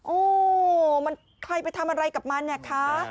โอ้มันใครไปทำอะไรกับมันเนี่ยคะ